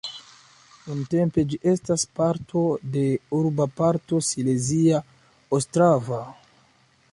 Nuntempe ĝi estas parto de urba parto Silezia Ostrava.